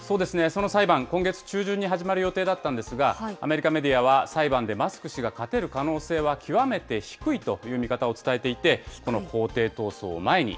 その裁判、今月中旬に始まる予定だったんですが、アメリカメディアは、裁判でマスク氏が勝てる可能性は極めて低いという見方を伝えていて、この法廷闘争を前に、